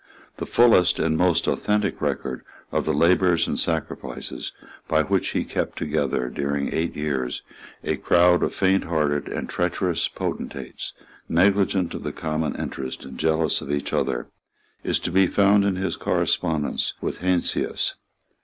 The fullest and most authentic record of the labours and sacrifices by which he kept together, during eight years, a crowd of fainthearted and treacherous potentates, negligent of the common interest and jealous of each other, is to be found in his correspondence with Heinsius.